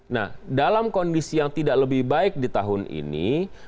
nah dalam kondisi yang tidak lebih baik di tahun ini